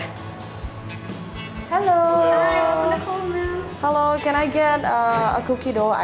halo halo bisa aku beli es krim kudapan